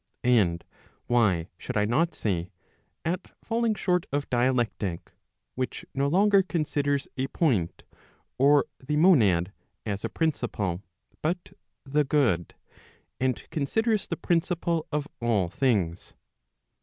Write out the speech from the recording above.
And why should I not say, at falling short of dialectic, which no longer considers a point, or the monad, as a principle, but the good , and considers the principle of all things.